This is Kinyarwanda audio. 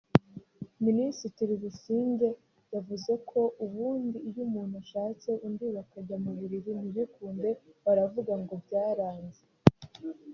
Minisitiri Busingye yagize ati “Ubundi iyo umuntu ashatse undi bakajya mu buriri ntibikunde baravuga ngo byaranze